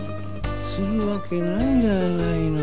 するわけないじゃないの。